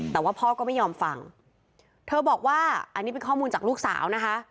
แต่ว่าพ่อก็ไม่ยอมฟังเธอบอกว่าอันนี้เป็นข้อมูลจากลูกสาวนะคะ